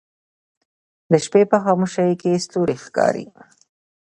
د شپې په خاموشۍ کې ستوری ښکاري